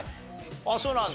あっそうなんだ。